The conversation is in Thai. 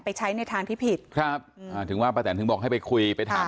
ใช้ในทางที่ผิดครับอ่าถึงว่าป้าแตนถึงบอกให้ไปคุยไปถาม